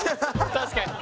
確かに。